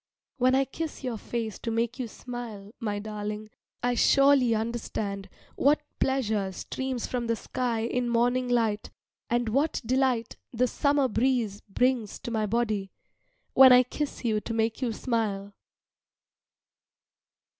When I kiss your face to make you smile, my darling, I surely understand what pleasure streams from the sky in morning light, and what delight the summer breeze brings to my body when I kiss you to make you smile.